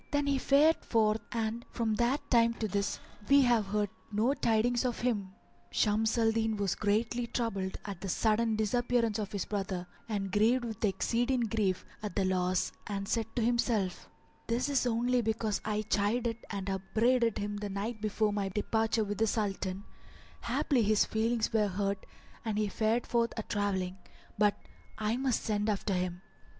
Then he fared forth and from that time to this we have heard no tidings of him." Shams al Din was greatly troubled at the sudden disappearance of his brother and grieved with exceeding grief at the loss and said to himself, "This is only because I chided and upbraided him the night before my departure with the Sultan; haply his feelings were hurt and he fared forth a travelling; but I must send after him."